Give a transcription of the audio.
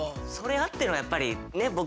それあってのやっぱりね